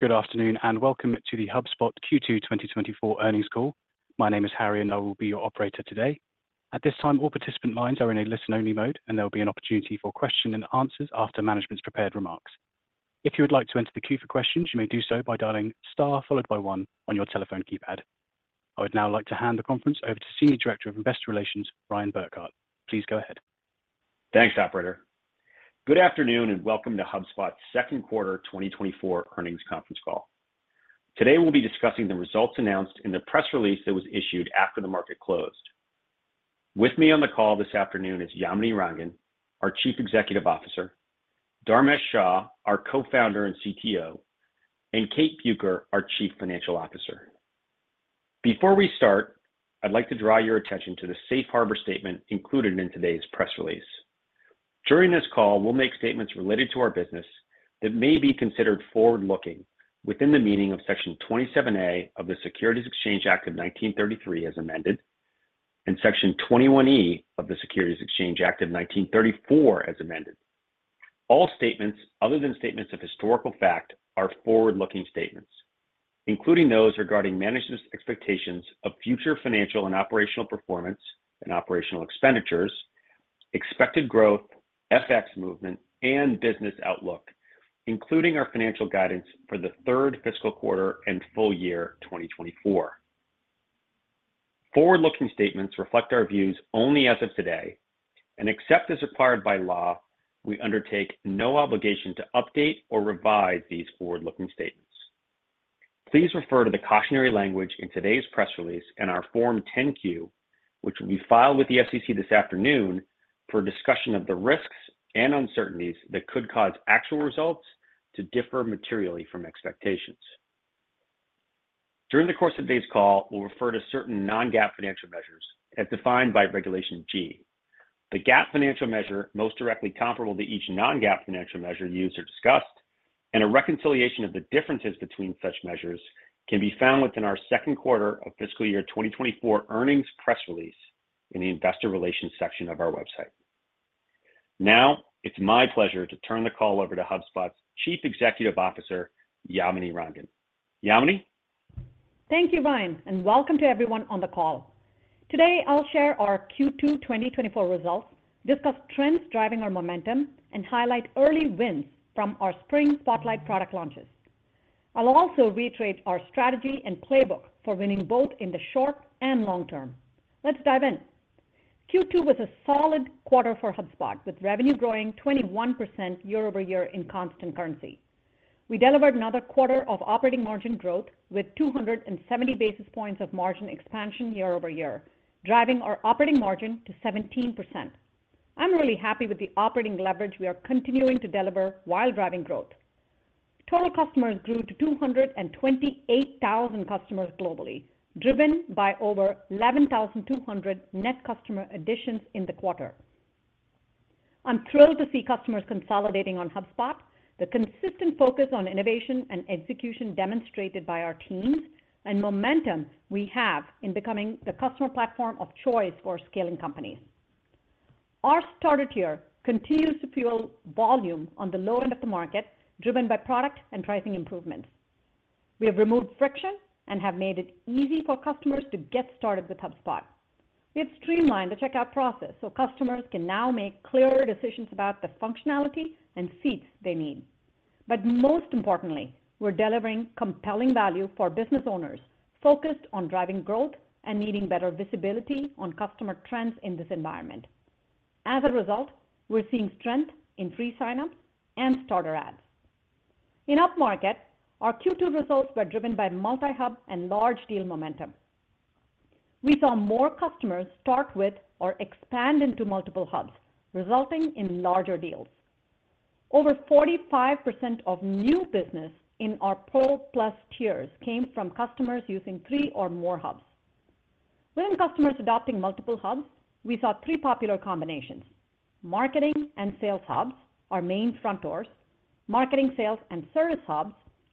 Good afternoon, and welcome to the HubSpot Q2 2024 earnings call. My name is Harry, and I will be your operator today. At this time, all participant lines are in a listen-only mode, and there will be an opportunity for question and answers after management's prepared remarks. If you would like to enter the queue for questions, you may do so by dialing star followed by one on your telephone keypad. I would now like to hand the conference over to Senior Director of Investor Relations, Brian Burkhart. Please go ahead. Thanks, operator. Good afternoon, and welcome to HubSpot's second quarter 2024 earnings conference call. Today, we'll be discussing the results announced in the press release that was issued after the market closed. With me on the call this afternoon is Yamini Rangan, our Chief Executive Officer, Dharmesh Shah, our Co-founder and CTO, and Kate Bueker, our Chief Financial Officer. Before we start, I'd like to draw your attention to the Safe Harbor statement included in today's press release. During this call, we'll make statements related to our business that may be considered forward-looking within the meaning of Section 27A of the Securities Exchange Act of 1933, as amended, and Section 21E of the Securities Exchange Act of 1934, as amended. All statements other than statements of historical fact are forward-looking statements, including those regarding management's expectations of future financial and operational performance and operational expenditures, expected growth, FX movement, and business outlook, including our financial guidance for the third fiscal quarter and full year 2024. Forward-looking statements reflect our views only as of today, and except as required by law, we undertake no obligation to update or revise these forward-looking statements. Please refer to the cautionary language in today's press release and our Form 10-Q, which will be filed with the SEC this afternoon for a discussion of the risks and uncertainties that could cause actual results to differ materially from expectations. During the course of today's call, we'll refer to certain non-GAAP financial measures as defined by Regulation G. The GAAP financial measure, most directly comparable to each non-GAAP financial measure used or discussed, and a reconciliation of the differences between such measures can be found within our second quarter of fiscal year 2024 earnings press release in the Investor Relations section of our website. Now, it's my pleasure to turn the call over to HubSpot's Chief Executive Officer, Yamini Rangan. Yamini? Thank you, Brian, and welcome to everyone on the call. Today, I'll share our Q2 2024 results, discuss trends driving our momentum, and highlight early wins from our Spring Spotlight product launches. I'll also reiterate our strategy and playbook for winning both in the short and long term. Let's dive in. Q2 was a solid quarter for HubSpot, with revenue growing 21% year-over-year in constant currency. We delivered another quarter of operating margin growth with 270 basis points of margin expansion year-over-year, driving our operating margin to 17%. I'm really happy with the operating leverage we are continuing to deliver while driving growth. Total customers grew to 228,000 customers globally, driven by over 11,200 net customer additions in the quarter. I'm thrilled to see customers consolidating on HubSpot, the consistent focus on innovation and execution demonstrated by our teams, and momentum we have in becoming the customer platform of choice for scaling companies. Our Starter tier continues to fuel volume on the low end of the market, driven by product and pricing improvements. We have removed friction and have made it easy for customers to get started with HubSpot. We have streamlined the checkout process so customers can now make clearer decisions about the functionality and seats they need. But most importantly, we're delivering compelling value for business owners focused on driving growth and needing better visibility on customer trends in this environment. As a result, we're seeing strength in free sign-ups and Starter adds. In upmarket, our Q2 results were driven by multi-hub and large deal momentum. We saw more customers start with or expand into multiple hubs, resulting in larger deals. Over 45% of new business Pro Plus tiers came from customers using three or more hubs. Within customers adopting multiple hubs, we saw three popular combinations: Marketing and Sales Hubs, our main front doors, Marketing, Sales, and Service Hubs,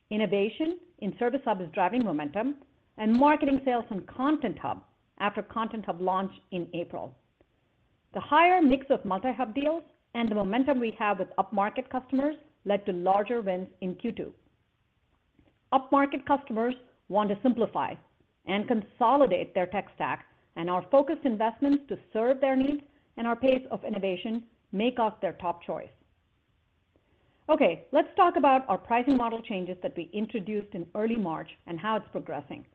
innovation in Service Hub is driving momentum, and Marketing, Sales, and Content Hub after content hub launched in April. The higher mix of multi-hub deals and the momentum we have with upmarket customers led to larger wins in Q2. Upmarket customers want to simplify and consolidate their tech stack, and our focused investments to serve their needs and our pace of innovation make us their top choice. Okay, let's talk about our pricing model changes that we introduced in early March and how it's progressing.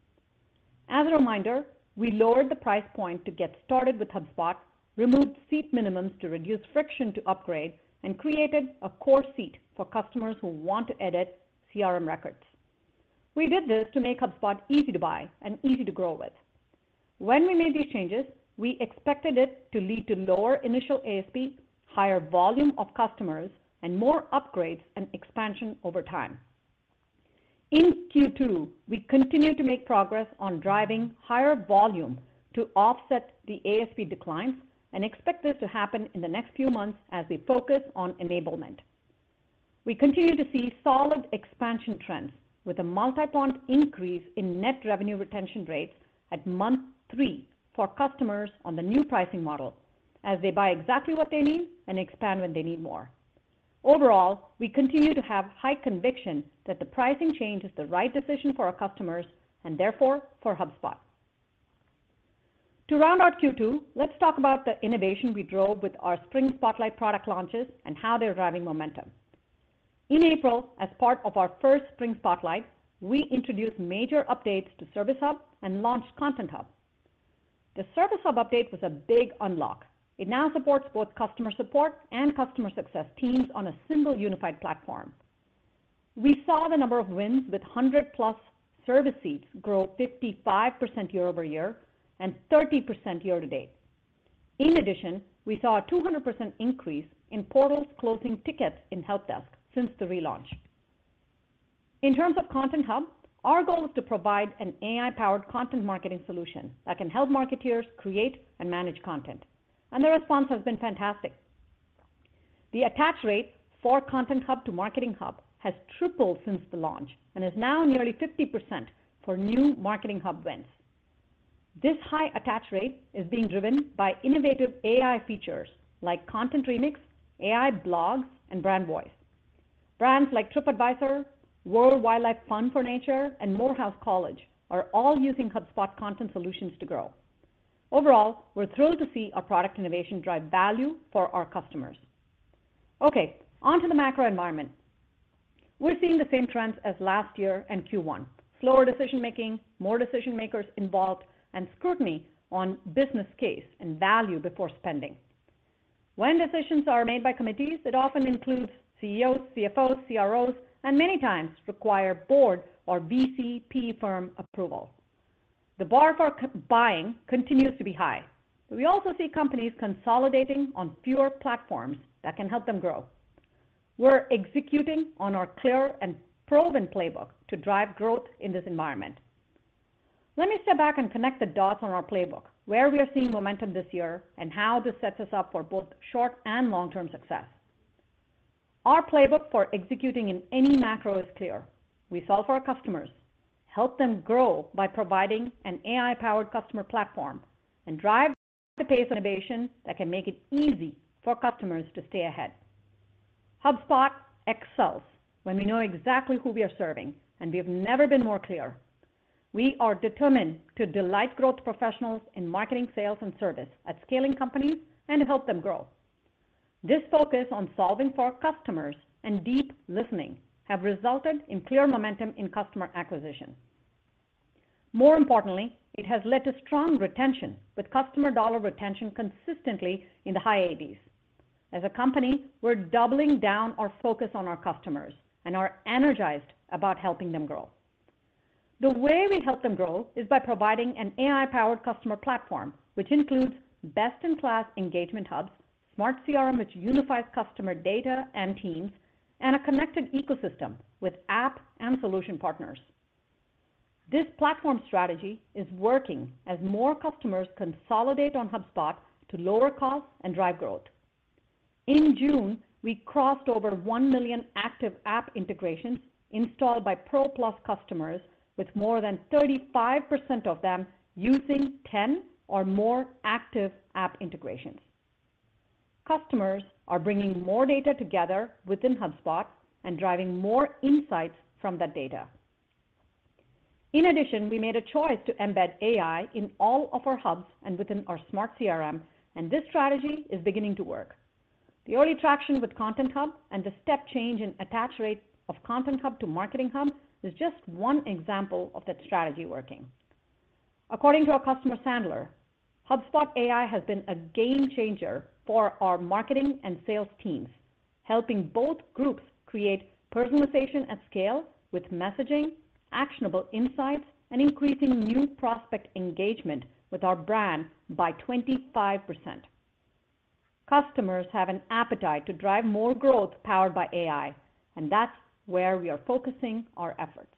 As a reminder, we lowered the price point to get started with HubSpot, removed seat minimums to reduce friction to upgrade, and created a core seat for customers who want to edit CRM records. We did this to make HubSpot easy to buy and easy to grow with. When we made these changes, we expected it to lead to lower initial ASP, higher volume of customers, and more upgrades and expansion over time. In Q2, we continued to make progress on driving higher volume to offset the ASP declines and expect this to happen in the next few months as we focus on enablement. We continue to see solid expansion trends with a multi-point increase in net revenue retention rates at month three for customers on the new pricing model... as they buy exactly what they need and expand when they need more. Overall, we continue to have high conviction that the pricing change is the right decision for our customers and therefore for HubSpot. To round out Q2, let's talk about the innovation we drove with our Spring Spotlight product launches and how they're driving momentum. In April, as part of our first Spring Spotlight, we introduced major updates to Service Hub and launched Content Hub. The Service Hub update was a big unlock. It now supports both customer support and customer success teams on a single unified platform. We saw the number of wins with 100+ service seats grow 55% year-over-year and 30% year-to-date. In addition, we saw a 200% increase in portals closing tickets in Help Desk since the relaunch. In terms of Content Hub, our goal is to provide an AI-powered content marketing solution that can help marketers create and manage content, and the response has been fantastic. The attach rate for Content Hub to Marketing Hub has tripled since the launch and is now nearly 50% for new Marketing Hub wins. This high attach rate is being driven by innovative AI features like Content Remix, AI blogs, and Brand Voice. Brands like TripAdvisor, World Wildlife Fund, and Morehouse College are all using HubSpot content solutions to grow. Overall, we're thrilled to see our product innovation drive value for our customers. Okay, on to the macro environment. We're seeing the same trends as last year and Q1: slower decision making, more decision makers involved, and scrutiny on business case and value before spending. When decisions are made by committees, it often includes CEOs, CFOs, CROs, and many times require board or VC firm approval. The bar for C-level buying continues to be high, but we also see companies consolidating on fewer platforms that can help them grow. We're executing on our clear and proven playbook to drive growth in this environment. Let me step back and connect the dots on our playbook, where we are seeing momentum this year, and how this sets us up for both short- and long-term success. Our playbook for executing in any macro is clear. We solve for our customers, help them grow by providing an AI-powered customer platform, and drive the pace of innovation that can make it easy for customers to stay ahead. HubSpot excels when we know exactly who we are serving, and we have never been more clear. We are determined to delight growth professionals in marketing, sales, and service at scaling companies and help them grow. This focus on solving for our customers and deep listening have resulted in clear momentum in customer acquisition. More importantly, it has led to strong retention, with Customer Dollar Retention consistently in the high eighties. As a company, we're doubling down our focus on our customers and are energized about helping them grow. The way we help them grow is by providing an AI-powered customer platform, which includes best-in-class engagement hubs, Smart CRM, which unifies customer data and teams, and a connected ecosystem with app and solution partners. This platform strategy is working as more customers consolidate on HubSpot to lower costs and drive growth. In June, we crossed over 1 million active app integrations installed by Pro Plus customers, with more than 35% of them using 10 or more active app integrations. Customers are bringing more data together within HubSpot and driving more insights from that data. In addition, we made a choice to embed AI in all of our hubs and within our Smart CRM, and this strategy is beginning to work. The early traction with Content Hub and the step change in attach rate of Content Hub to Marketing Hub is just one example of that strategy working. According to our customer, Sandler, "HubSpot AI has been a game changer for our marketing and sales teams, helping both groups create personalization at scale with messaging, actionable insights, and increasing new prospect engagement with our brand by 25%." Customers have an appetite to drive more growth powered by AI, and that's where we are focusing our efforts.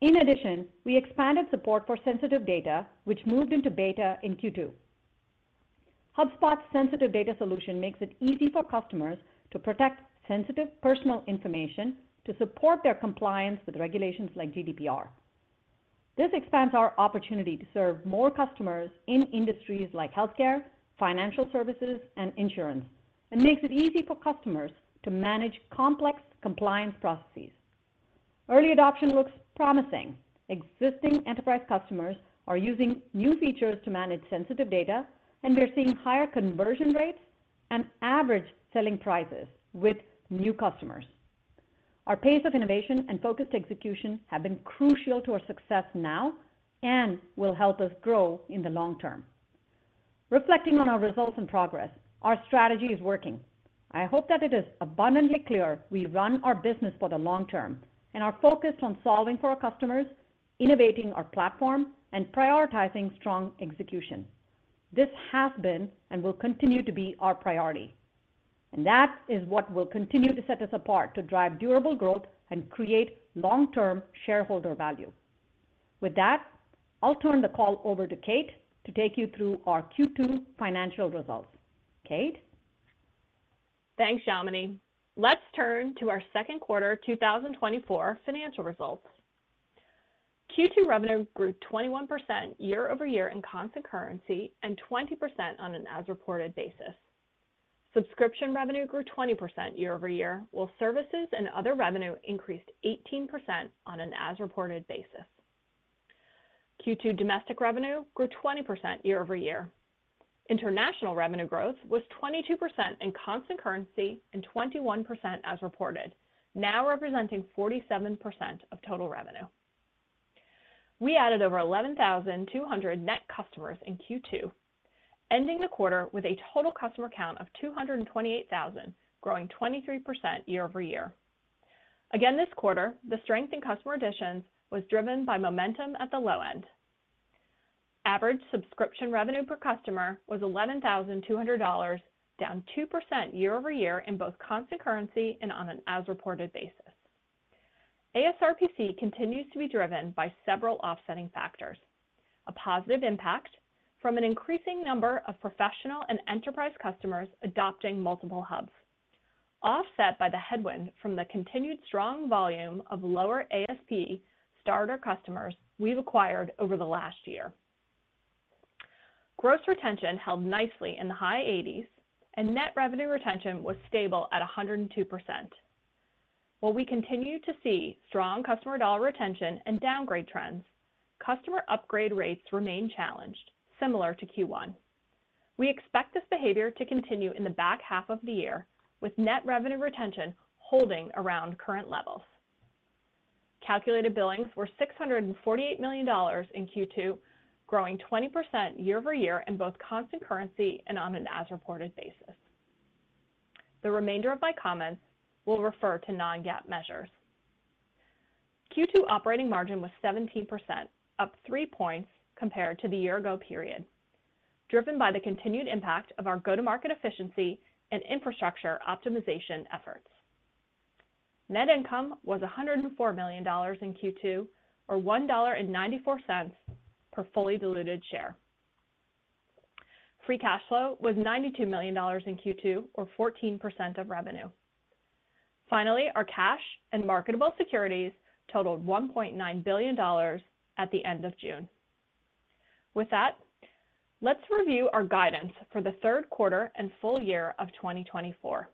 In addition, we expanded support for Sensitive Data, which moved into beta in Q2. HubSpot's Sensitive Data solution makes it easy for customers to protect sensitive personal information to support their compliance with regulations like GDPR. This expands our opportunity to serve more customers in industries like healthcare, financial services, and insurance, and makes it easy for customers to manage complex compliance processes. Early adoption looks promising. Existing Enterprise customers are using new features to manage Sensitive Data, and we are seeing higher conversion rates and average selling prices with new customers. Our pace of innovation and focused execution have been crucial to our success now and will help us grow in the long term. Reflecting on our results and progress, our strategy is working. I hope that it is abundantly clear we run our business for the long term and are focused on solving for our customers, innovating our platform, and prioritizing strong execution. This has been and will continue to be our priority, and that is what will continue to set us apart to drive durable growth and create long-term shareholder value. With that, I'll turn the call over to Kate to take you through our Q2 financial results. Kate?... Thanks, Yamini. Let's turn to our Q2 2024 financial results. Q2 revenue grew 21% year-over-year in constant currency and 20% on an as-reported basis. Subscription revenue grew 20% year-over-year, while services and other revenue increased 18% on an as-reported basis. Q2 domestic revenue grew 20% year-over-year. International revenue growth was 22% in constant currency and 21% as reported, now representing 47% of total revenue. We added over 11,200 net customers in Q2, ending the quarter with a total customer count of 228,000, growing 23% year-over-year. Again, this quarter, the strength in customer additions was driven by momentum at the low end. Average subscription revenue per customer was $11,200, down 2% year-over-year in both constant currency and on an as-reported basis. ASRPC continues to be driven by several offsetting factors: a positive impact from an increasing number of Professional and Enterprise customers adopting multiple hubs, offset by the headwind from the continued strong volume of lower ASP Starter customers we've acquired over the last year. Gross retention held nicely in the high 80s, and net revenue retention was stable at 102%. While we continue to see strong Customer Dollar Retention and downgrade trends, customer upgrade rates remain challenged, similar to Q1. We expect this behavior to continue in the back half of the year, with net revenue retention holding around current levels. Calculated billings were $648 million in Q2, growing 20% year-over-year in both constant currency and on an as-reported basis. The remainder of my comments will refer to non-GAAP measures. Q2 operating margin was 17%, up 3 points compared to the year-ago period, driven by the continued impact of our go-to-market efficiency and infrastructure optimization efforts. Net income was $104 million in Q2, or $1.94 per fully diluted share. Free cash flow was $92 million in Q2 or 14% of revenue. Finally, our cash and marketable securities totaled $1.9 billion at the end of June. With that, let's review our guidance for the third quarter and full year of 2024.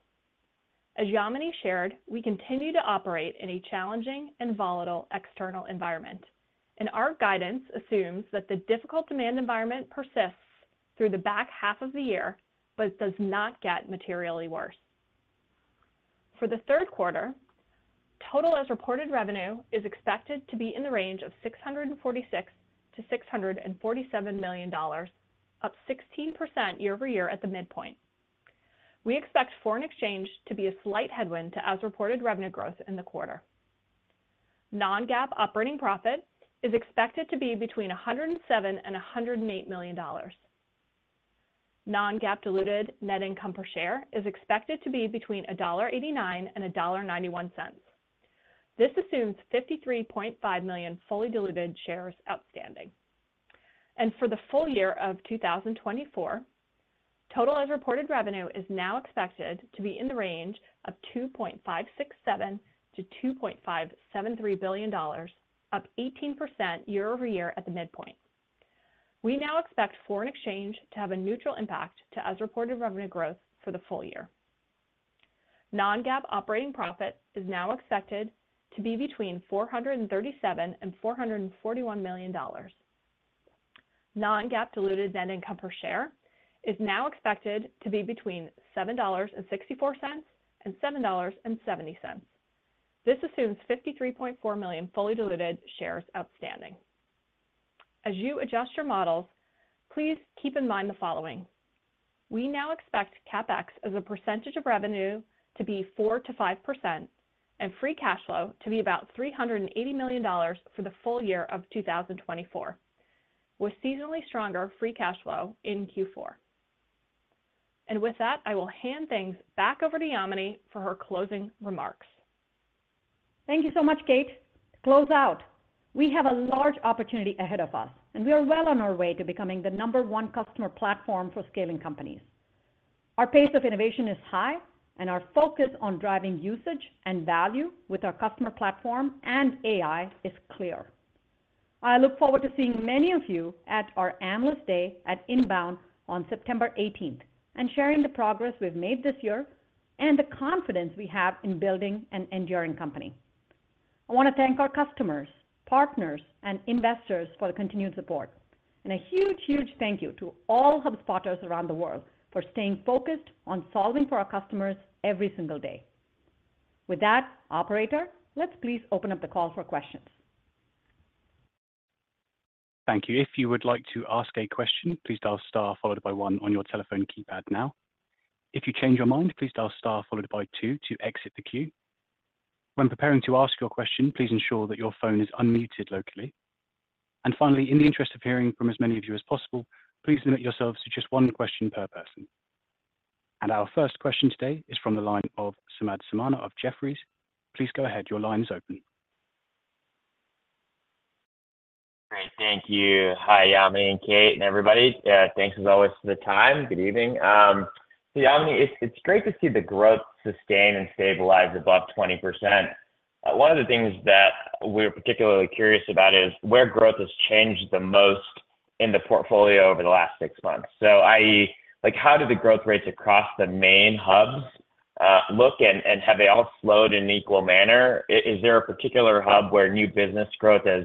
As Yamini shared, we continue to operate in a challenging and volatile external environment, and our guidance assumes that the difficult demand environment persists through the back half of the year, but does not get materially worse. For the third quarter, total as-reported revenue is expected to be in the range of $646 million-$647 million, up 16% year-over-year at the midpoint. We expect foreign exchange to be a slight headwind to as-reported revenue growth in the quarter. Non-GAAP operating profit is expected to be between $107 million-$108 million. Non-GAAP diluted net income per share is expected to be between $1.89-$1.91. This assumes 53.5 million fully diluted shares outstanding. For the full year of 2024, total as-reported revenue is now expected to be in the range of $2.567 billion-$2.573 billion, up 18% year-over-year at the midpoint. We now expect foreign exchange to have a neutral impact to as-reported revenue growth for the full year. Non-GAAP operating profit is now expected to be between $437 million and $441 million. Non-GAAP diluted net income per share is now expected to be between $7.64 and $7.70. This assumes 53.4 million fully diluted shares outstanding. As you adjust your models, please keep in mind the following: We now expect CapEx as a percentage of revenue to be 4%-5%, and free cash flow to be about $380 million for the full year of 2024, with seasonally stronger free cash flow in Q4. With that, I will hand things back over to Yamini for her closing remarks. Thank you so much, Kate. To close out, we have a large opportunity ahead of us, and we are well on our way to becoming the number one customer platform for scaling companies. Our pace of innovation is high, and our focus on driving usage and value with our customer platform and AI is clear. I look forward to seeing many of you at our Analyst Day at Inbound on September eighteenth and sharing the progress we've made this year and the confidence we have in building an enduring company. I want to thank our customers, partners, and investors for the continued support, and a huge, huge thank you to all HubSpotters around the world for staying focused on solving for our customers every single day. With that, operator, let's please open up the call for questions. Thank you. If you would like to ask a question, please dial star followed by one on your telephone keypad now. If you change your mind, please dial star followed by two to exit the queue. When preparing to ask your question, please ensure that your phone is unmuted locally. And finally, in the interest of hearing from as many of you as possible, please limit yourselves to just one question per person. And our first question today is from the line of Samad Samana of Jefferies. Please go ahead. Your line is open.... Thank you. Hi, Yamini and Kate and everybody. Thanks as always for the time. Good evening. So Yamini, it's great to see the growth sustain and stabilize above 20%. One of the things that we're particularly curious about is where growth has changed the most in the portfolio over the last six months. So i.e., like, how do the growth rates across the main hubs look, and have they all slowed in an equal manner? Is there a particular hub where new business growth has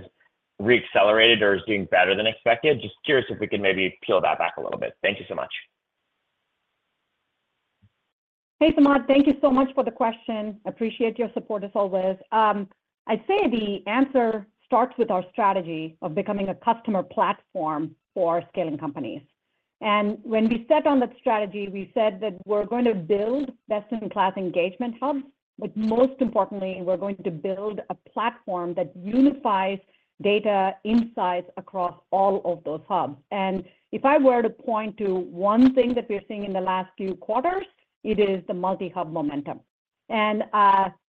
re-accelerated or is doing better than expected? Just curious if we could maybe peel that back a little bit. Thank you so much. Hey, Samad, thank you so much for the question. Appreciate your support as always. I'd say the answer starts with our strategy of becoming a customer platform for scaling companies. And when we set on that strategy, we said that we're going to build best-in-class engagement hubs, but most importantly, we're going to build a platform that unifies data insights across all of those hubs. And if I were to point to one thing that we're seeing in the last few quarters, it is the multi-hub momentum. And,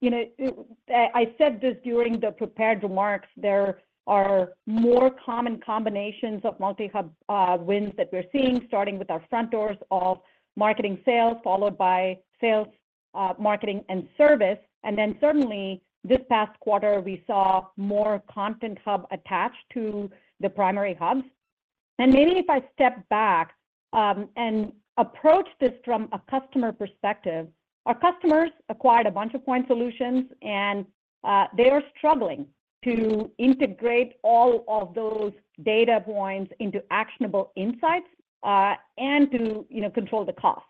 you know, it, I said this during the prepared remarks, there are more common combinations of multi-hub wins that we're seeing, starting with our front doors of Marketing, Sales, followed by Sales, Marketing, and Service. And then certainly this past quarter, we saw more Content Hub attached to the primary hubs. Maybe if I step back and approach this from a customer perspective, our customers acquired a bunch of point solutions, and they are struggling to integrate all of those data points into actionable insights, and to, you know, control the cost.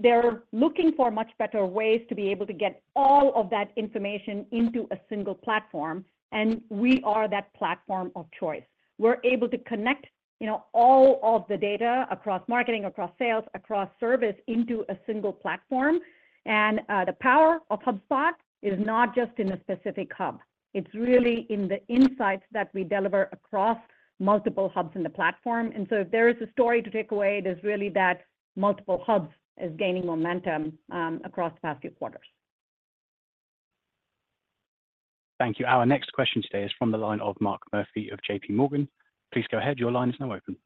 They're looking for much better ways to be able to get all of that information into a single platform, and we are that platform of choice. We're able to connect, you know, all of the data across marketing, across sales, across service into a single platform. The power of HubSpot is not just in a specific hub. It's really in the insights that we deliver across multiple hubs in the platform. So if there is a story to take away, it is really that multiple hubs is gaining momentum across the past few quarters. Thank you. Our next question today is from the line of Mark Murphy of JPMorgan. Please go ahead. Your line is now open.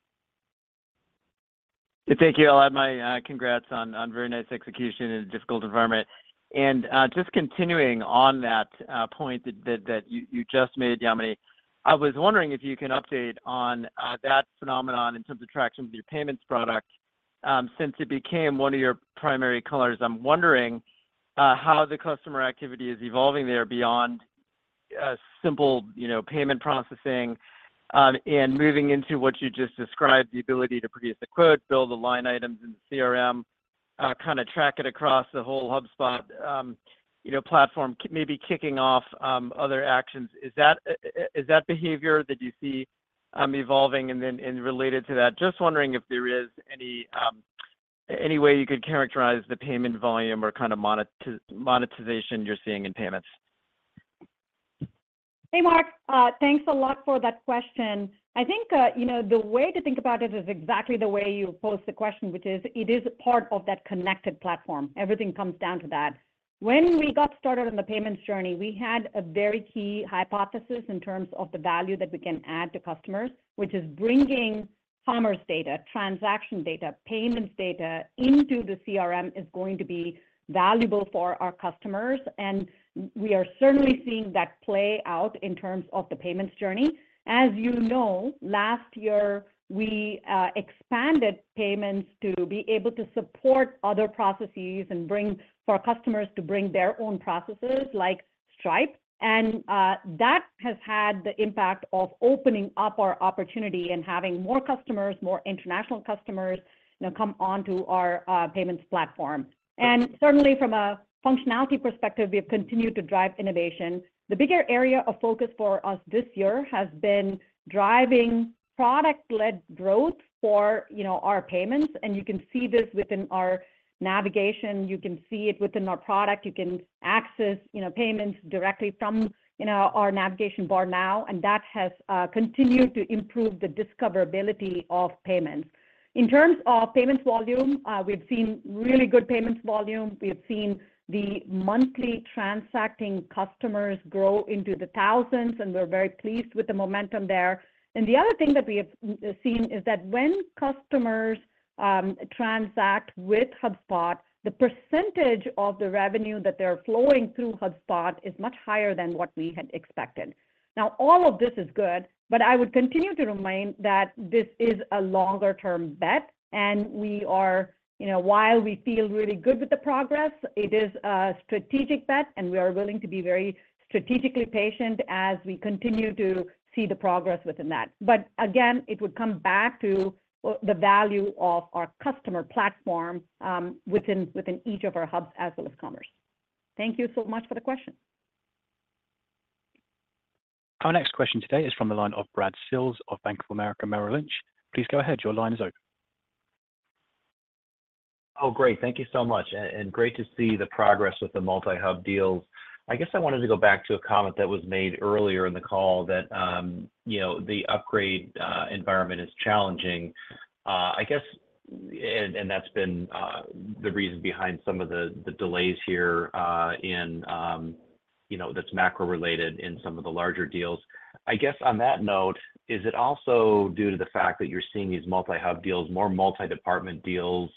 Thank you. I'll add my congrats on very nice execution in a difficult environment. And just continuing on that point that you just made, Yamini, I was wondering if you can update on that phenomenon in terms of traction with your payments product since it became one of your primary colors. I'm wondering how the customer activity is evolving there beyond simple, you know, payment processing and moving into what you just described, the ability to produce a quote, build the line items in the CRM kind of track it across the whole HubSpot, you know, platform, maybe kicking off other actions. Is that behavior that you see evolving? Then, related to that, just wondering if there is any way you could characterize the payment volume or kind of monetization you're seeing in payments? Hey, Mark. Thanks a lot for that question. I think, you know, the way to think about it is exactly the way you posed the question, which is it is part of that connected platform. Everything comes down to that. When we got started on the payments journey, we had a very key hypothesis in terms of the value that we can add to customers, which is bringing commerce data, transaction data, payments data into the CRM is going to be valuable for our customers, and we are certainly seeing that play out in terms of the payments journey. As you know, last year, we expanded payments to be able to support other processes and bring for our customers to bring their own processes, like Stripe. And, that has had the impact of opening up our opportunity and having more customers, more international customers, you know, come on to our payments platform. And certainly from a functionality perspective, we have continued to drive innovation. The bigger area of focus for us this year has been driving product-led growth for, you know, our payments, and you can see this within our navigation. You can see it within our product. You can access, you know, payments directly from, you know, our navigation bar now, and that has continued to improve the discoverability of payments. In terms of payments volume, we've seen really good payments volume. We've seen the monthly transacting customers grow into the thousands, and we're very pleased with the momentum there. And the other thing that we have seen is that when customers transact with HubSpot, the percentage of the revenue that they're flowing through HubSpot is much higher than what we had expected. Now, all of this is good, but I would continue to remind that this is a longer-term bet, and we are, you know, while we feel really good with the progress, it is a strategic bet, and we are willing to be very strategically patient as we continue to see the progress within that. But again, it would come back to the value of our customer platform, within each of our hubs as well as commerce. Thank you so much for the question. Our next question today is from the line of Brad Sills of Bank of America Merrill Lynch. Please go ahead. Your line is open. Oh, great. Thank you so much, and great to see the progress with the multi-hub deals. I guess I wanted to go back to a comment that was made earlier in the call that, you know, the upgrade environment is challenging. That's been the reason behind some of the delays here in, you know, that's macro-related in some of the larger deals. I guess on that note, is it also due to the fact that you're seeing these multi-hub deals, more multi-department deals?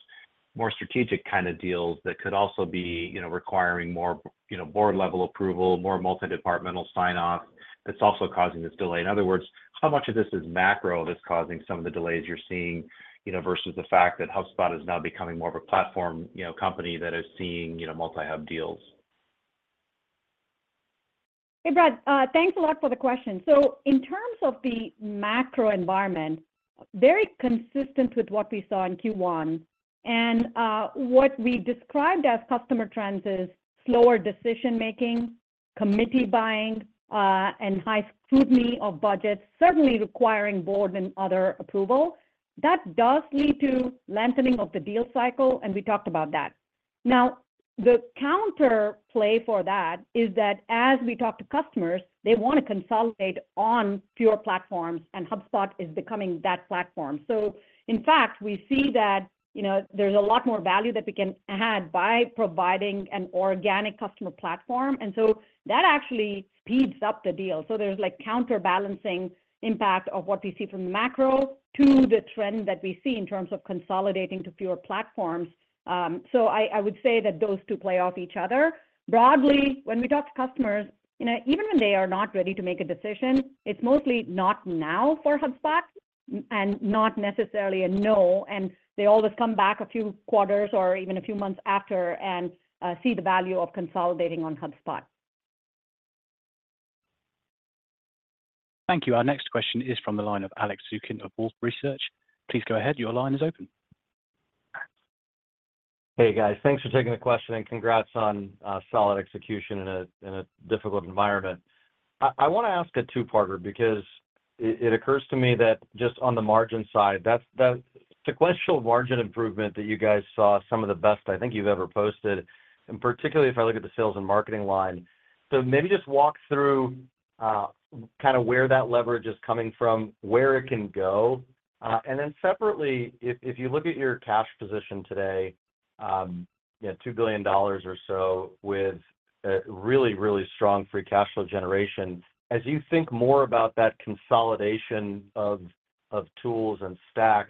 More strategic kind of deals that could also be, you know, requiring more, you know, board-level approval, more multi-departmental sign-off that's also causing this delay? In other words, how much of this is macro that's causing some of the delays you're seeing, you know, versus the fact that HubSpot is now becoming more of a platform, you know, company that is seeing, you know, multi-hub deals? Hey, Brad, thanks a lot for the question. So in terms of the macro environment, very consistent with what we saw in Q1, and what we described as customer trends is slower decision-making, committee buying, and high scrutiny of budgets, certainly requiring board and other approval. That does lead to lengthening of the deal cycle, and we talked about that. Now, the counterplay for that is that as we talk to customers, they want to consolidate on fewer platforms, and HubSpot is becoming that platform. So in fact, we see that, you know, there's a lot more value that we can add by providing an organic customer platform, and so that actually speeds up the deal. So there's, like, counterbalancing impact of what we see from the macro to the trend that we see in terms of consolidating to fewer platforms. So I would say that those two play off each other. Broadly, when we talk to customers, you know, even when they are not ready to make a decision, it's mostly not now for HubSpot and not necessarily a no, and they always come back a few quarters or even a few months after and see the value of consolidating on HubSpot. Thank you. Our next question is from the line of Alex Zukin of Wolfe Research. Please go ahead. Your line is open. Hey, guys. Thanks for taking the question, and congrats on a solid execution in a difficult environment. I want to ask a two-parter because it occurs to me that just on the margin side, that's the sequential margin improvement that you guys saw, some of the best I think you've ever posted, and particularly if I look at the sales and marketing line. So maybe just walk through kind of where that leverage is coming from, where it can go. And then separately, if you look at your cash position today, you know, $2 billion or so with a really, really strong Free Cash Flow generation, as you think more about that consolidation of tools and stack,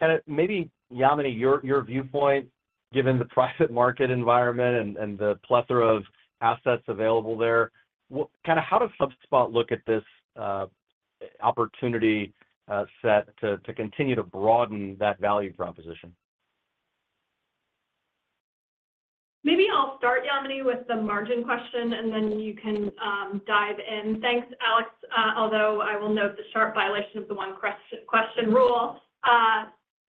kind of maybe, Yamini, your viewpoint, given the private market environment and the plethora of assets available there, kind of how does HubSpot look at this opportunity set to continue to broaden that value proposition? Maybe I'll start, Yamini, with the margin question, and then you can dive in. Thanks, Alex, although I will note the sharp violation of the one question rule.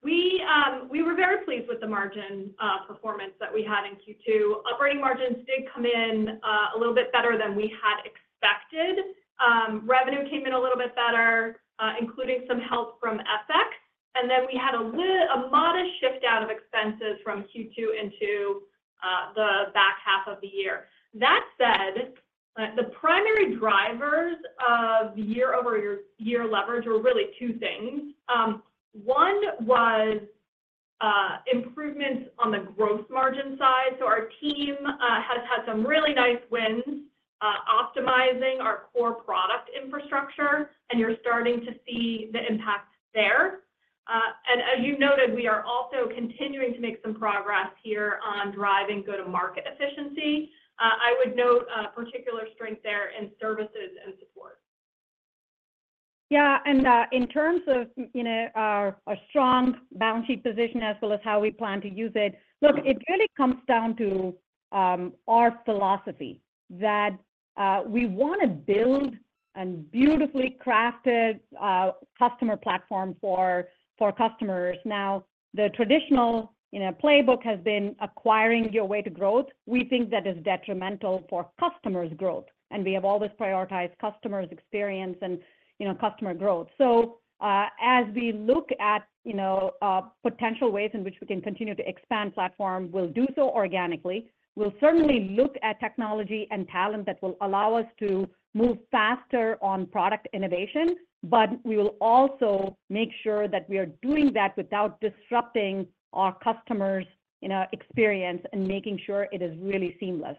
We were very pleased with the margin performance that we had in Q2. Operating margins did come in a little bit better than we had expected. Revenue came in a little bit better, including some help from FX, and then we had a modest shift out of expenses from Q2 into the back half of the year. That said, the primary drivers of the year-over-year year leverage were really two things. One was improvements on the gross margin side. So our team has had some really nice wins optimizing our core product infrastructure, and you're starting to see the impact there. And as you noted, we are also continuing to make some progress here on driving go-to-market efficiency. I would note a particular strength there in services and support. Yeah, and, in terms of, you know, our strong balance sheet position, as well as how we plan to use it, look, it really comes down to our philosophy that we want to build a beautifully crafted customer platform for customers. Now, the traditional, you know, playbook has been acquiring your way to growth. We think that is detrimental for customers' growth, and we have always prioritized customers' experience and, you know, customer growth. So, as we look at, you know, potential ways in which we can continue to expand platform, we'll do so organically. We'll certainly look at technology and talent that will allow us to move faster on product innovation, but we will also make sure that we are doing that without disrupting our customers' you know, experience and making sure it is really seamless.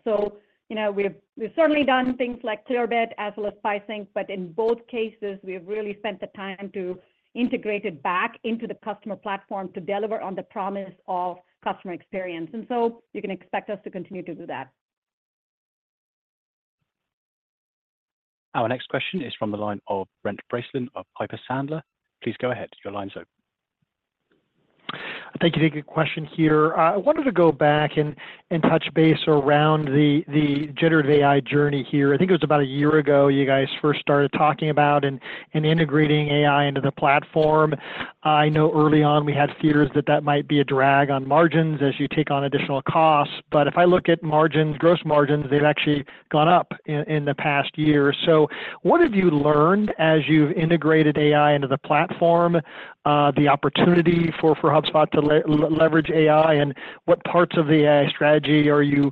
You know, we've, we've certainly done things like Clearbit as well as PieSync, but in both cases, we've really spent the time to integrate it back into the customer platform to deliver on the promise of customer experience, and so you can expect us to continue to do that. Our next question is from the line of Brent Bracelin of Piper Sandler. Please go ahead. Your line's open. Thank you. Take a question here. I wanted to go back and touch base around the generative AI journey here. I think it was about a year ago, you guys first started talking about and integrating AI into the platform. I know early on we had fears that that might be a drag on margins as you take on additional costs, but if I look at margins, gross margins, they've actually gone up in the past year. So what have you learned as you've integrated AI into the platform, the opportunity for HubSpot to leverage AI, and what parts of the AI strategy are you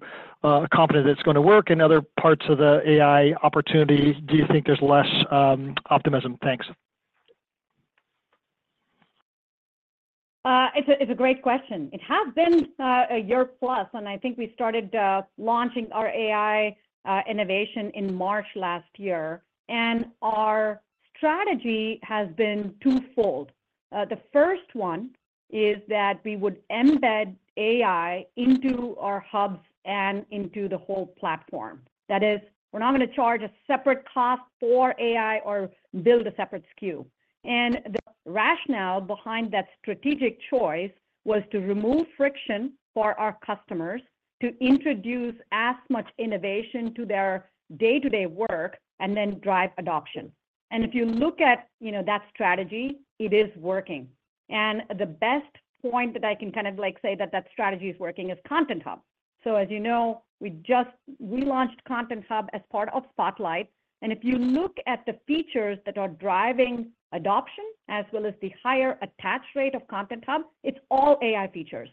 confident it's going to work, and other parts of the AI opportunity do you think there's less optimism? Thanks. It's a great question. It has been a year plus, and I think we started launching our AI innovation in March last year. And our strategy has been twofold. The first one is that we would embed AI into our hubs and into the whole platform. That is, we're not gonna charge a separate cost for AI or build a separate SKU. And the rationale behind that strategic choice was to remove friction for our customers, to introduce as much innovation to their day-to-day work, and then drive adoption. And if you look at, you know, that strategy, it is working. And the best point that I can kind of like say that that strategy is working is Content Hub. As you know, we just relaunched Content Hub as part of Spotlight, and if you look at the features that are driving adoption as well as the higher attach rate of Content Hub, it's all AI features.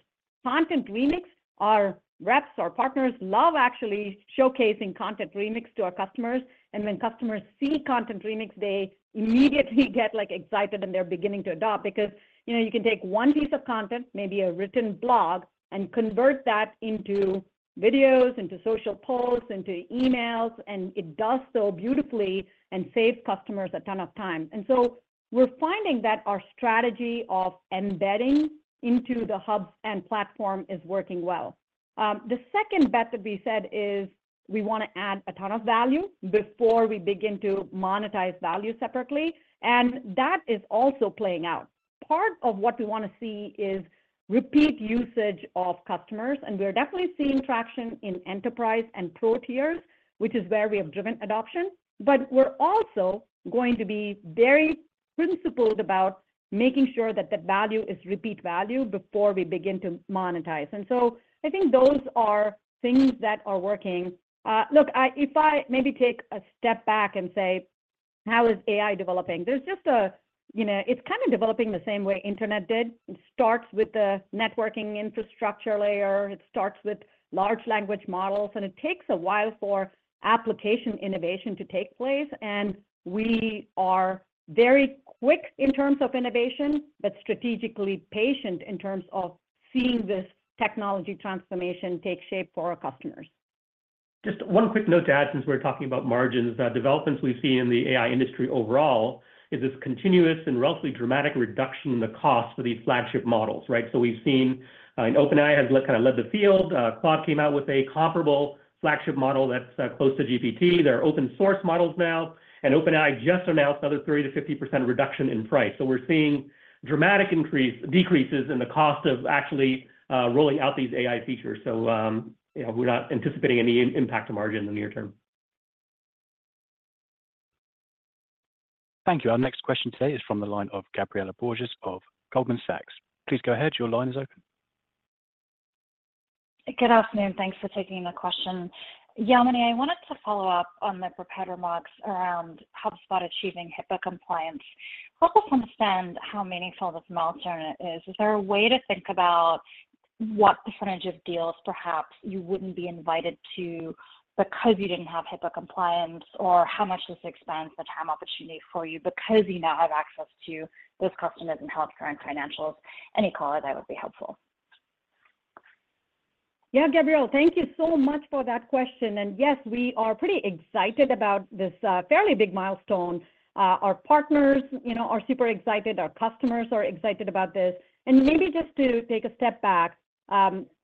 Content Remix, our reps, our partners love actually showcasing Content Remix to our customers. And when customers see Content Remix, they immediately get, like, excited, and they're beginning to adopt. Because, you know, you can take one piece of content, maybe a written blog, and convert that into videos, into social posts, into emails, and it does so beautifully and saves customers a ton of time. And so we're finding that our strategy of embedding into the hubs and platform is working well. The second bet that we said is we want to add a ton of value before we begin to monetize value separately, and that is also playing out. Part of what we want to see is repeat usage of customers, and we are definitely seeing traction in enterprise and Pro tiers, which is where we have driven adoption. But we're also going to be very principled about making sure that the value is repeat value before we begin to monetize. And so I think those are things that are working. Look, if I maybe take a step back and say, "How is AI developing?" There's just a... You know, it's kind of developing the same way internet did. It starts with the networking infrastructure layer, it starts with large language models, and it takes a while for application innovation to take place. And we are very quick in terms of innovation, but strategically patient in terms of seeing this technology transformation take shape for our customers. Just one quick note to add, since we're talking about margins. Developments we see in the AI industry overall is this continuous and relatively dramatic reduction in the cost for these flagship models, right? So we've seen, and OpenAI has kind of led the field. Claude came out with a comparable flagship model that's close to GPT. There are open source models now, and OpenAI just announced another 30%-50% reduction in price. So we're seeing dramatic decreases in the cost of actually rolling out these AI features. So, you know, we're not anticipating any impact to margin in the near term. Thank you. Our next question today is from the line of Gabriela Borges of Goldman Sachs. Please go ahead. Your line is open. Good afternoon. Thanks for taking the question. Yamini, I wanted to follow up on the prepared remarks around HubSpot achieving HIPAA compliance. Help us understand how meaningful this milestone is. Is there a way to think about what percentage of deals, perhaps, you wouldn't be invited to because you didn't have HIPAA compliance? Or how much this expands the TAM opportunity for you because you now have access to those customers in healthcare and financials? Any color there would be helpful. Yeah, Gabriela, thank you so much for that question, and yes, we are pretty excited about this, fairly big milestone. Our partners, you know, are super excited. Our customers are excited about this. And maybe just to take a step back,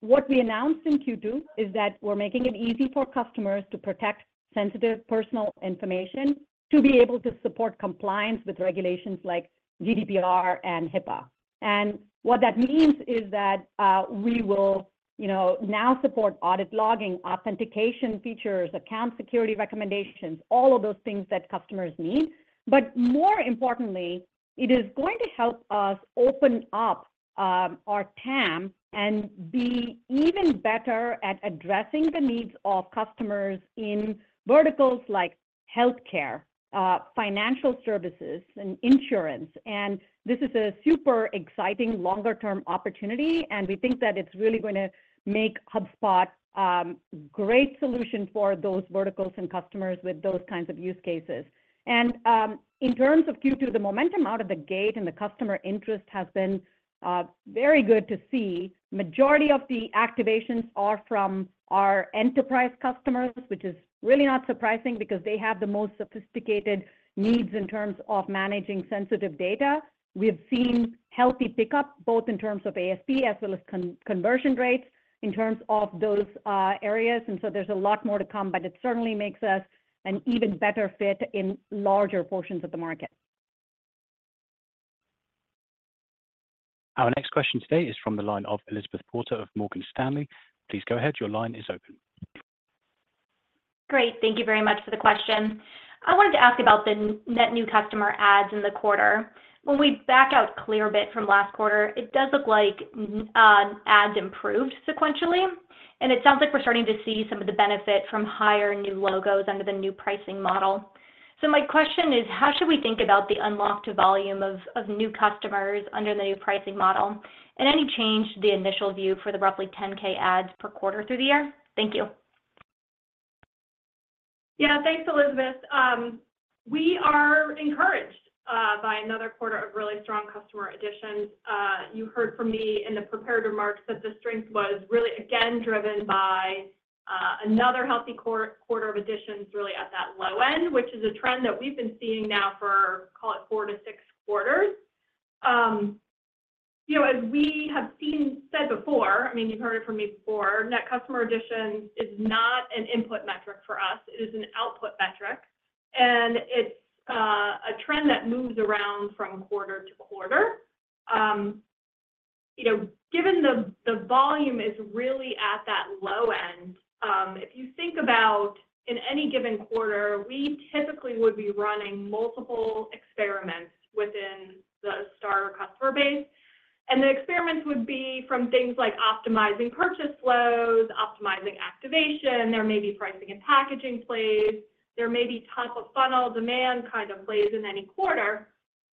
what we announced in Q2 is that we're making it easy for customers to protect sensitive personal information to be able to support compliance with regulations like GDPR and HIPAA. And what that means is that, we will, you know, now support audit logging, authentication features, account security recommendations, all of those things that customers need. But more importantly, it is going to help us open up, our TAM and be even better at addressing the needs of customers in verticals like healthcare, financial services, and insurance. This is a super exciting longer term opportunity, and we think that it's really gonna make HubSpot great solution for those verticals and customers with those kinds of use cases. In terms of Q2, the momentum out of the gate and the customer interest has been very good to see. Majority of the activations are from our enterprise customers, which is really not surprising because they have the most sophisticated needs in terms of managing Sensitive Data. We've seen healthy pickup, both in terms of ASP as well as conversion rates in terms of those areas, and so there's a lot more to come, but it certainly makes us an even better fit in larger portions of the market. Our next question today is from the line of Elizabeth Porter of Morgan Stanley. Please go ahead. Your line is open. Great. Thank you very much for the question. I wanted to ask about the net new customer adds in the quarter. When we back out Clearbit from last quarter, it does look like adds improved sequentially, and it sounds like we're starting to see some of the benefit from higher new logos under the new pricing model. So my question is: how should we think about the unlocked volume of new customers under the new pricing model? And any change to the initial view for the roughly 10,000 adds per quarter through the year? Thank you. Yeah, thanks, Elizabeth. We are encouraged by another quarter of really strong customer additions. You heard from me in the prepared remarks that the strength was really, again, driven by another healthy quarter of additions really at that low end, which is a trend that we've been seeing now for, call it, four to six quarters. You know, as we have said before, I mean, you've heard it from me before, net customer additions is not an input metric for us. It is an output metric, and it's a trend that moves around from quarter to quarter. You know, given the volume is really at that low end, if you think about in any given quarter, we typically would be running multiple experiments within the Starter customer base. The experiments would be from things like optimizing purchase flows, optimizing activation. There may be pricing and packaging plays. There may be top-of-funnel demand kind of plays in any quarter.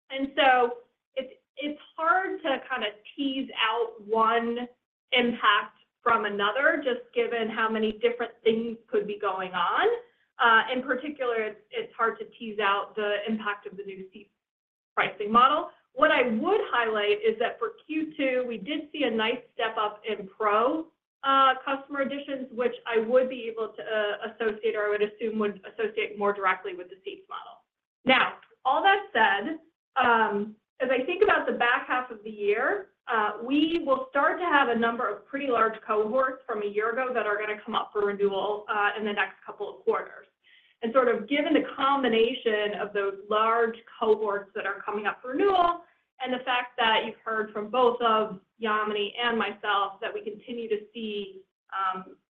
And so it's, it's hard to kind of tease out one impact from another, just given how many different things could be going on. In particular, it's, it's hard to tease out the impact of the new seat pricing model. What I would highlight is that for Q2, we did see a nice step-up in Pro customer additions, which I would be able to associate or I would assume would associate more directly with the seats model. Now, all that said, as I think about the back half of the year, we will start to have a number of pretty large cohorts from a year ago that are gonna come up for renewal, in the next couple of quarters. And sort of given the combination of those large cohorts that are coming up for renewal, and the fact that you've heard from both of Yamini and myself, that we continue to see,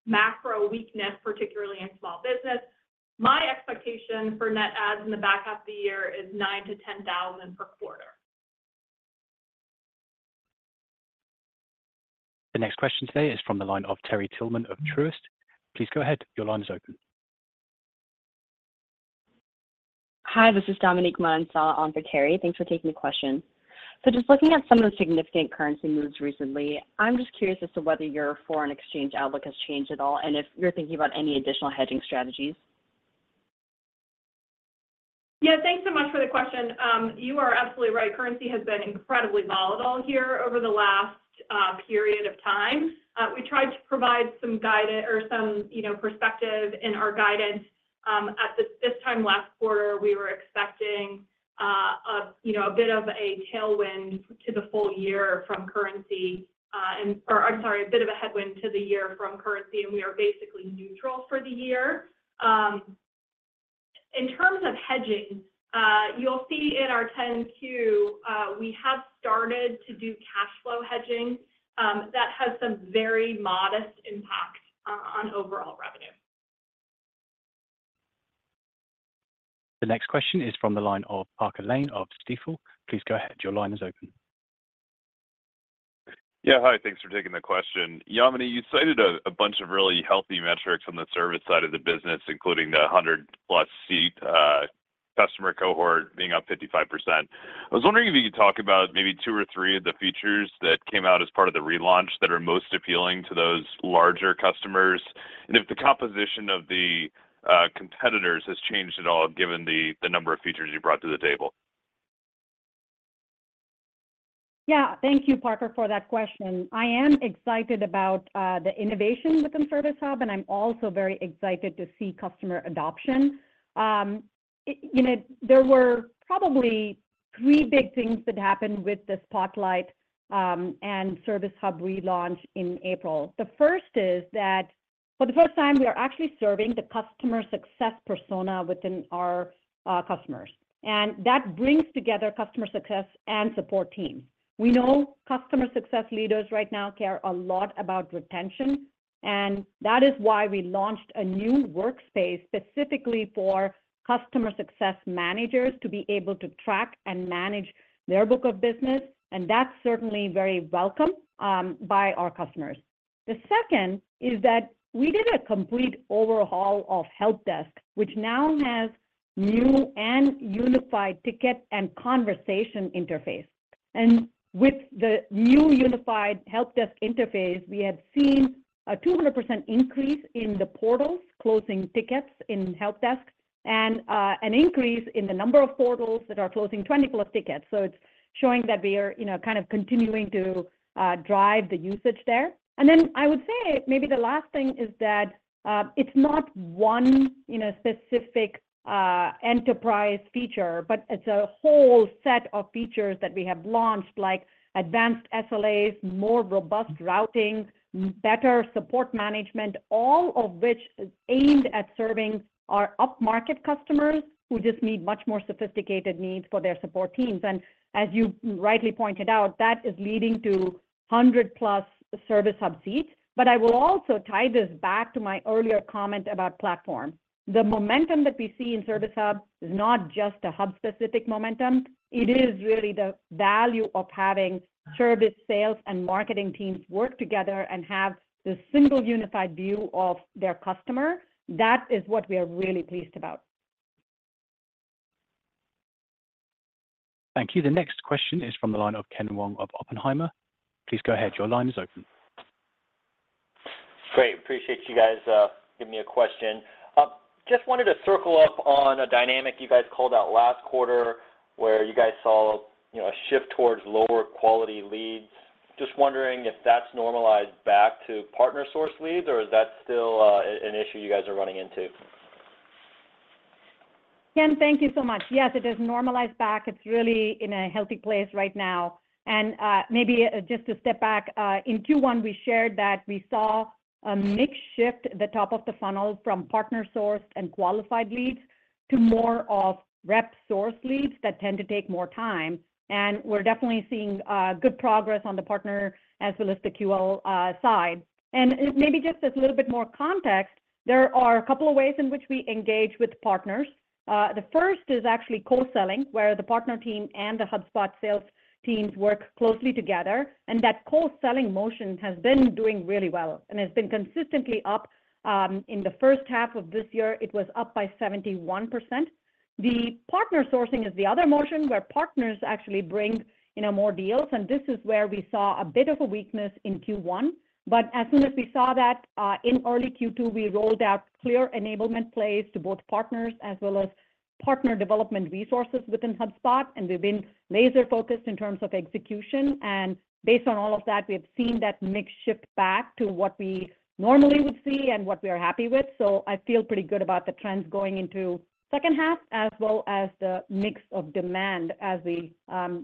macro weakness, particularly in small business, my expectation for net adds in the back half of the year is 9,000-10,000 per quarter. The next question today is from the line of Terry Tillman of Truist. Please go ahead. Your line is open. Hi, this is Dominique Mansa, on for Terry. Thanks for taking the question. So just looking at some of the significant currency moves recently, I'm just curious as to whether your foreign exchange outlook has changed at all, and if you're thinking about any additional hedging strategies? Yeah, thanks so much for the question. You are absolutely right. Currency has been incredibly volatile here over the last period of time. We tried to provide some guidance or some, you know, perspective in our guidance, at this time last quarter, we were expecting, you know, a bit of a tailwind to the full year from currency, and... Or I'm sorry, a bit of a headwind to the year from currency, and we are basically neutral for the year. In terms of hedging, you'll see in our 10-Q, we have started to do cash flow hedging, that has some very modest impact on overall revenue. The next question is from the line of Parker Lane of Stifel. Please go ahead. Your line is open. Yeah. Hi, thanks for taking the question. Yamini, you cited a bunch of really healthy metrics on the service side of the business, including the 100+ seat customer cohort being up 55%. I was wondering if you could talk about maybe two or three of the features that came out as part of the relaunch that are most appealing to those larger customers, and if the composition of the competitors has changed at all, given the number of features you brought to the table? Yeah. Thank you, Parker, for that question. I am excited about the innovation within Service Hub, and I'm also very excited to see customer adoption. You know, there were probably three big things that happened with the Spotlight and Service Hub relaunch in April. The first is that for the first time, we are actually serving the customer success persona within our customers, and that brings together customer success and support teams. We know customer success leaders right now care a lot about retention, and that is why we launched a new workspace specifically for customer success managers to be able to track and manage their book of business, and that's certainly very welcome by our customers. The second is that we did a complete overhaul of Help Desk, which now has new and unified ticket and conversation interface. And with the new unified Help Desk interface, we have seen a 200% increase in the portals closing tickets in Help Desk, and an increase in the number of portals that are closing 20+ tickets. So it's showing that we are, you know, kind of continuing to drive the usage there. And then I would say maybe the last thing is that it's not one, you know, specific enterprise feature, but it's a whole set of features that we have launched, like advanced SLAs, more robust routing, better support management, all of which is aimed at serving our upmarket customers who just need much more sophisticated needs for their support teams. And as you rightly pointed out, that is leading to 100+ Service Hub seats. But I will also tie this back to my earlier comment about platform. The momentum that we see in Service Hub is not just a hub-specific momentum, it is really the value of having service, sales, and marketing teams work together and have the single, unified view of their customer. That is what we are really pleased about. Thank you. The next question is from the line of Ken Wong of Oppenheimer. Please go ahead. Your line is open. Great. Appreciate you guys, giving me a question.... Just wanted to circle up on a dynamic you guys called out last quarter, where you guys saw, you know, a shift towards lower quality leads. Just wondering if that's normalized back to partner source leads, or is that still an issue you guys are running into? Ken, thank you so much. Yes, it is normalized back. It's really in a healthy place right now. And, maybe just to step back, in Q1, we shared that we saw a mix shift at the top of the funnel from partner sourced and qualified leads to more of rep sourced leads that tend to take more time. And we're definitely seeing, good progress on the partner as well as the QL, side. And, maybe just as a little bit more context, there are a couple of ways in which we engage with partners. The first is actually co-selling, where the partner team and the HubSpot sales teams work closely together, and that co-selling motion has been doing really well and has been consistently up. In the first half of this year, it was up by 71%. The partner sourcing is the other motion, where partners actually bring, you know, more deals, and this is where we saw a bit of a weakness in Q1. But as soon as we saw that, in early Q2, we rolled out clear enablement plays to both partners as well as partner development resources within HubSpot, and we've been laser focused in terms of execution. Based on all of that, we have seen that mix shift back to what we normally would see and what we are happy with. So I feel pretty good about the trends going into second half, as well as the mix of demand as we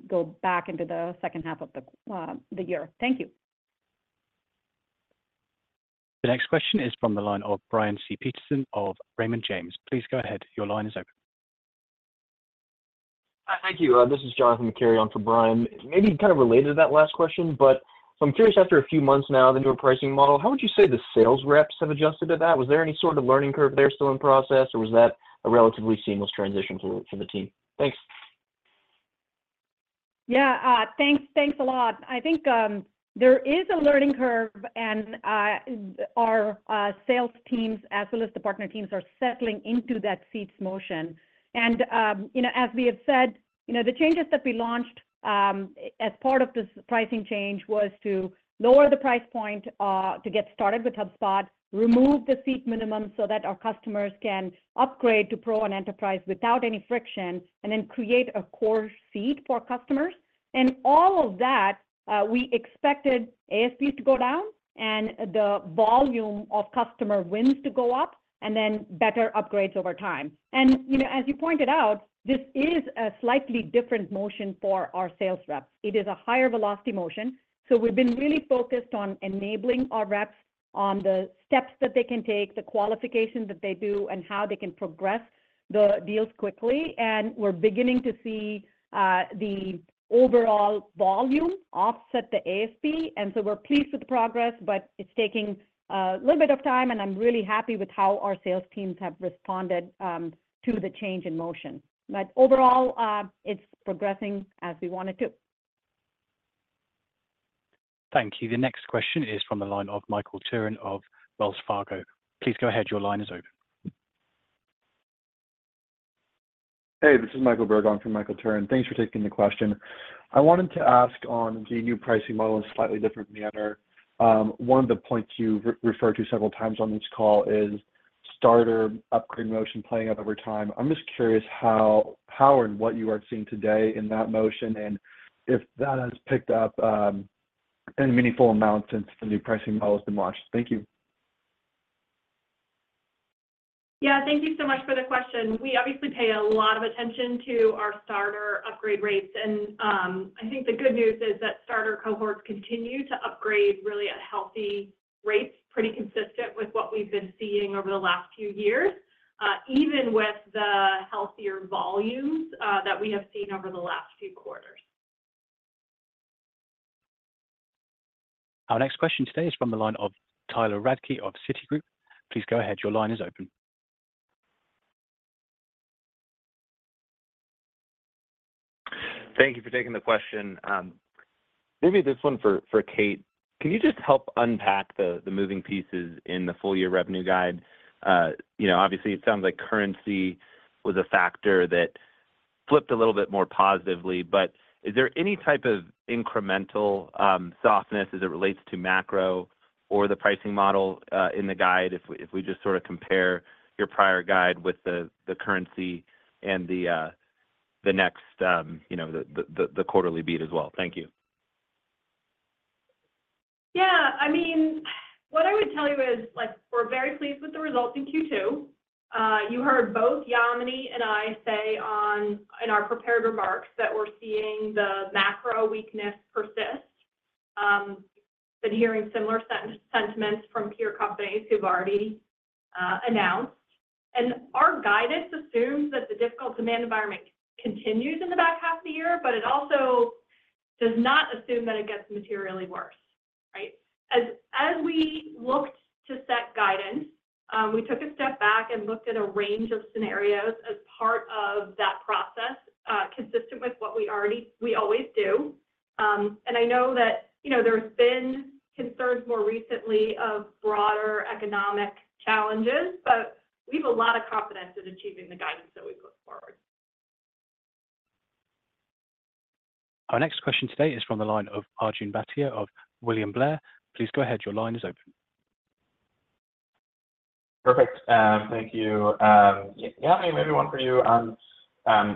go back into the second half of the year. Thank you. The next question is from the line of Brian Peterson of Raymond James. Please go ahead. Your line is open. Thank you. This is Jonathan Carey on for Brian. Maybe kind of related to that last question, but so I'm curious, after a few months now the newer pricing model, how would you say the sales reps have adjusted to that? Was there any sort of learning curve there still in process, or was that a relatively seamless transition for, for the team? Thanks. Yeah, thanks. Thanks a lot. I think, there is a learning curve, and, our sales teams as well as the partner teams are settling into that seats motion. And, you know, as we have said, you know, the changes that we launched, as part of this pricing change was to lower the price point, to get started with HubSpot, remove the seat minimum so that our customers can upgrade to Pro and Enterprise without any friction, and then create a core seat for customers. And all of that, we expected ASP to go down and the volume of customer wins to go up, and then better upgrades over time. And, you know, as you pointed out, this is a slightly different motion for our sales reps. It is a higher velocity motion, so we've been really focused on enabling our reps on the steps that they can take, the qualifications that they do, and how they can progress the deals quickly. And we're beginning to see, the overall volume offset the ASP, and so we're pleased with the progress, but it's taking a little bit of time, and I'm really happy with how our sales teams have responded, to the change in motion. But overall, it's progressing as we want it to. Thank you. The next question is from the line of Michael Turrin of Wells Fargo. Please go ahead. Your line is open. Hey, this is Michael Berg from Michael Turrin. Thanks for taking the question. I wanted to ask on the new pricing model in a slightly different manner. One of the points you referred to several times on this call is Starter upgrade motion playing out over time. I'm just curious how and what you are seeing today in that motion, and if that has picked up any meaningful amount since the new pricing model has been launched. Thank you. Yeah, thank you so much for the question. We obviously pay a lot of attention to our Starter upgrade rates, and, I think the good news is that Starter cohorts continue to upgrade really at healthy rates, pretty consistent with what we've been seeing over the last few years, even with the healthier volumes, that we have seen over the last few quarters. Our next question today is from the line of Tyler Radke of Citigroup. Please go ahead. Your line is open. Thank you for taking the question. Maybe this one for Kate. Can you just help unpack the moving pieces in the full year revenue guide? You know, obviously it sounds like currency was a factor that flipped a little bit more positively, but is there any type of incremental softness as it relates to macro or the pricing model in the guide, if we just sort of compare your prior guide with the currency and the next quarterly beat as well? Thank you. Yeah. I mean, what I would tell you is, like, we're very pleased with the results in Q2. You heard both Yamini and I say in our prepared remarks, that we're seeing the macro weakness persist. Been hearing similar sentiments from peer companies who've already announced. And our guidance assumes that the difficult demand environment continues in the back half of the year, but it also does not assume that it gets materially worse, right? As we looked to set guidance, we took a step back and looked at a range of scenarios as part of that process, consistent with what we always do. And I know that, you know, there's been concerns more recently of broader economic challenges, but we have a lot of confidence in achieving the guidance.... Our next question today is from the line of Arjun Bhatia of William Blair. Please go ahead. Your line is open. Perfect. Thank you. Yeah, maybe one for you.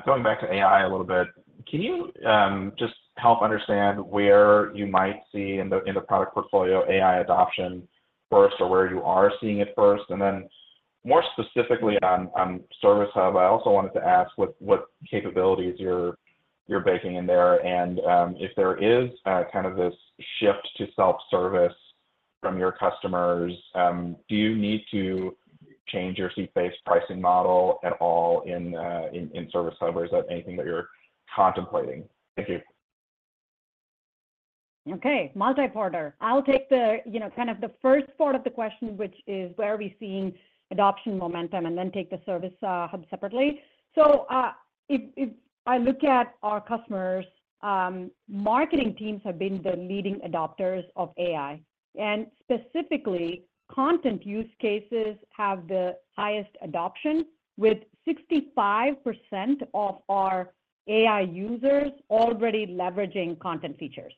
Going back to AI a little bit, can you just help understand where you might see in the, in the product portfolio AI adoption first, or where you are seeing it first? And then, more specifically on Service Hub, I also wanted to ask what capabilities you're baking in there, and if there is kind of this shift to self-service from your customers, do you need to change your seat-based pricing model at all in Service Hub, or is that anything that you're contemplating? Thank you. Okay, multi-parter. I'll take the, you know, kind of the first part of the question, which is, where are we seeing adoption momentum, and then take the Service Hub separately. So, if I look at our customers, marketing teams have been the leading adopters of AI, and specifically, content use cases have the highest adoption, with 65% of our AI users already leveraging content features.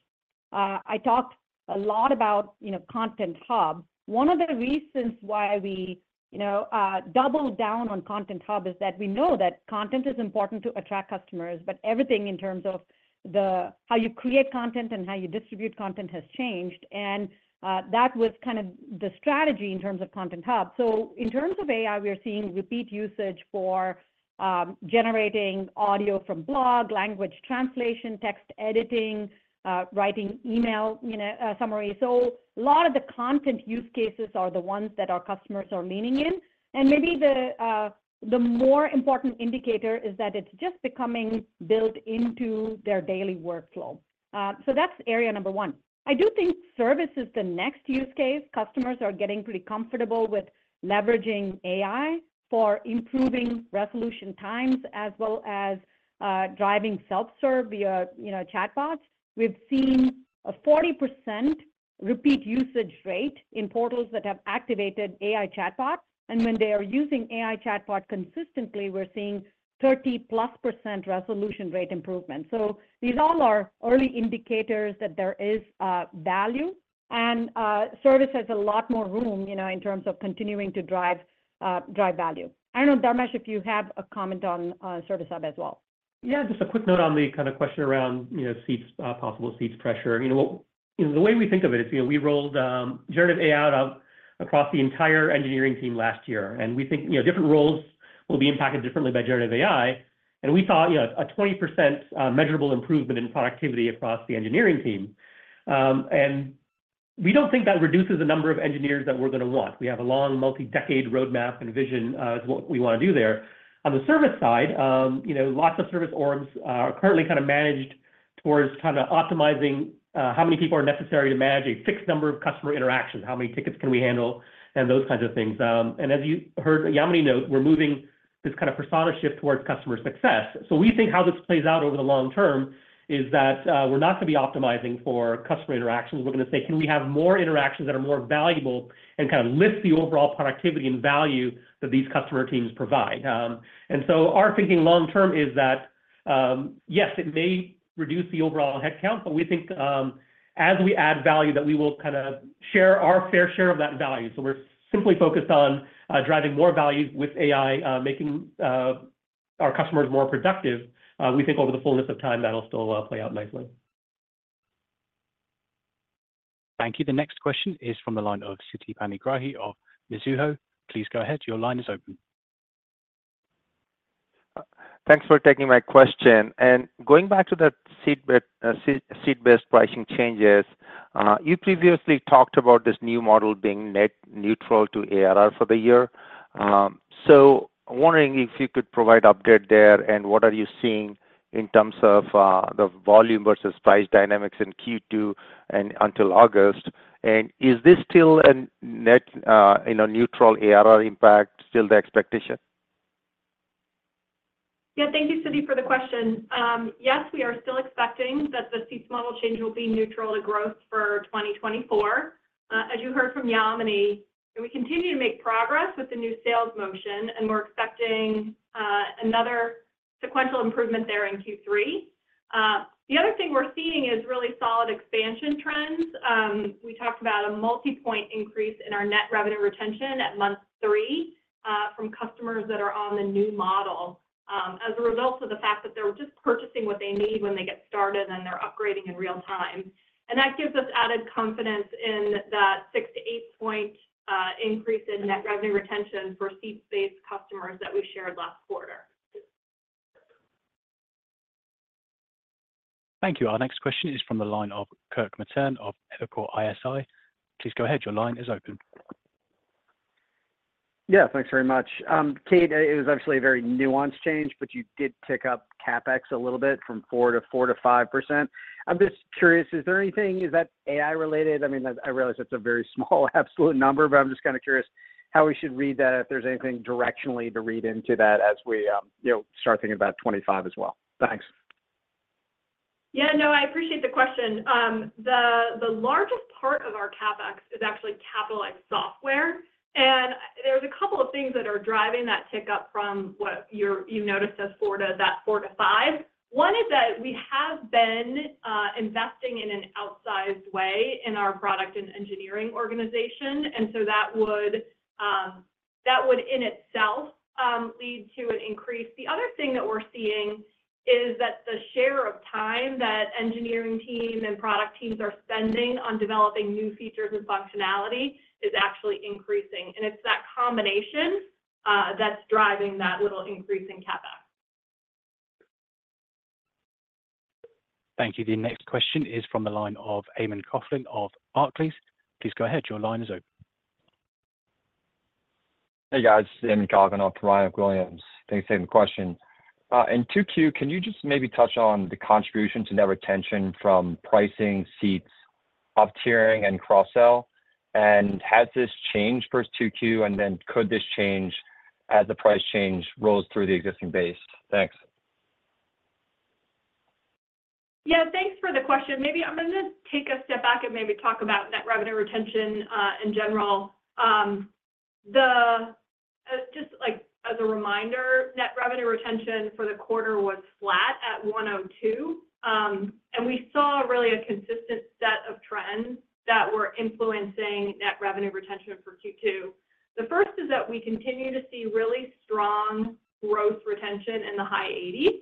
I talked a lot about, you know, Content Hub. One of the reasons why we, you know, doubled down on Content Hub is that we know that content is important to attract customers, but everything in terms of how you create content and how you distribute content has changed, and that was kind of the strategy in terms of Content Hub. So in terms of AI, we are seeing repeat usage for generating audio from blog, language translation, text editing, writing email, you know, summary. So a lot of the content use cases are the ones that our customers are leaning in. And maybe the more important indicator is that it's just becoming built into their daily workflow. So that's area number one. I do think service is the next use case. Customers are getting pretty comfortable with leveraging AI for improving resolution times, as well as driving self-serve via, you know, chatbots. We've seen a 40% repeat usage rate in portals that have activated AI chatbots, and when they are using AI chatbot consistently, we're seeing 30+% resolution rate improvement. So these all are early indicators that there is value, and service has a lot more room, you know, in terms of continuing to drive drive value. I don't know, Dharmesh, if you have a comment on Service Hub as well. Yeah, just a quick note on the kind of question around, you know, seats, possible seats pressure. You know what? You know, the way we think of it is, you know, we rolled generative AI out across the entire engineering team last year, and we think, you know, different roles will be impacted differently by generative AI. And we saw, you know, a 20% measurable improvement in productivity across the engineering team. And we don't think that reduces the number of engineers that we're gonna want. We have a long, multi-decade roadmap and vision as to what we wanna do there. On the service side, you know, lots of service orgs are currently kind of managed towards kinda optimizing how many people are necessary to manage a fixed number of customer interactions, how many tickets can we handle, and those kinds of things. And as you heard Yamini note, we're moving this kind of persona shift towards customer success. So we think how this plays out over the long term is that we're not gonna be optimizing for customer interactions. We're gonna say: Can we have more interactions that are more valuable and kind of lift the overall productivity and value that these customer teams provide? And so our thinking long term is that yes, it may reduce the overall headcount, but we think as we add value, that we will kinda share our fair share of that value. So we're simply focused on driving more value with AI, making our customers more productive. We think over the fullness of time, that'll still play out nicely. Thank you. The next question is from the line of Siti Panigrahi of Mizuho. Please go ahead. Your line is open. Thanks for taking my question. And going back to the seat-based pricing changes, you previously talked about this new model being net neutral to ARR for the year. So I'm wondering if you could provide update there, and what are you seeing in terms of the volume versus price dynamics in Q2 and until August? And is this still a net, you know, neutral ARR impact, still the expectation? Yeah, thank you, Siti, for the question. Yes, we are still expecting that the seat model change will be neutral to growth for 2024. As you heard from Yamini, we continue to make progress with the new sales motion, and we're expecting another sequential improvement there in Q3. The other thing we're seeing is really solid expansion trends. We talked about a multi-point increase in our net revenue retention at month three from customers that are on the new model, as a result of the fact that they're just purchasing what they need when they get started, and they're upgrading in real time. And that gives us added confidence in that 6- to 8-point increase in net revenue retention for seat-based customers that we shared last quarter. Thank you. Our next question is from the line of Kirk Materne of Evercore ISI. Please go ahead. Your line is open. Yeah, thanks very much. Kate, it was actually a very nuanced change, but you did tick up CapEx a little bit, from 4 to 4 to 5%. I'm just curious, is there anything... Is that AI-related? I mean, I, I realize it's a very small absolute number, but I'm just kinda curious how we should read that, if there's anything directionally to read into that as we, you know, start thinking about 2025 as well. Thanks. Yeah, no, I appreciate the question. The largest part of our CapEx is actually capitalized software, and there's a couple of things that are driving that tick up from what you're, you noticed as 4-5. One is that we have been investing in an outsized way in our product and engineering organization, and so that would, that would, in itself, lead to an increase. The other thing that we're seeing is that the share of time that engineering teams and product teams are spending on developing new features and functionality is actually increasing, and it's that combination that's driving that little increase in CapEx. Thank you. The next question is from the line of Eamon Coughlin of Barclays. Please go ahead. Your line is open. Hey, guys. Eamon Coughlin of Barclays. Thanks for taking the question. In 2Q, can you just maybe touch on the contribution to net retention from pricing, seats, up-tiering, and cross-sell? And has this changed versus 2Q, and then could this change as the price change rolls through the existing base? Thanks. Yeah, thanks for the question. Maybe I'm gonna take a step back and maybe talk about net revenue retention in general. Just like as a reminder, net revenue retention for the quarter was flat at 102. And we saw really a consistent set of trends that were influencing net revenue retention for Q2. The first is that we continue to see really strong gross retention in the high 80s.